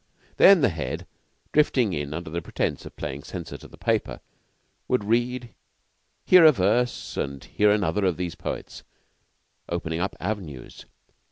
Then the Head, drifting in under pretense of playing censor to the paper, would read here a verse and here another of these poets, opening up avenues.